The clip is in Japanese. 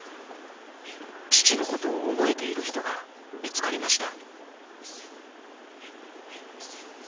父のことを覚えている人が見つかりました。